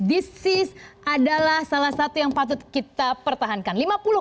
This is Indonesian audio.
disease adalah salah satu yang patut kita pertahankan